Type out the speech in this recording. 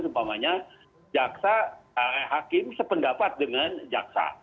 semamanya hakim sependapat dengan jaksa